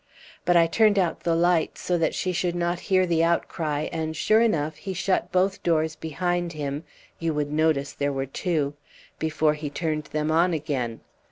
But I turned out the lights, so that she should not hear the outcry, and sure enough he shut both doors behind him (you would notice there were two) before he turned them on again.